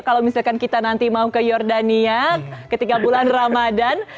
kalau misalkan kita nanti mau ke jordania ketika bulan ramadan